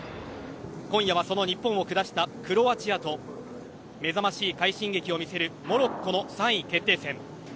今夜は、その日本を下したクロアチアと目覚ましい快進撃を見せるモロッコの３位決定戦。